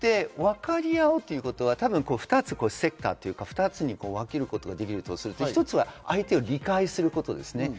わかり合うということは２つ、セクター、２つに分けることができるとすると、一つは相手を理解することです。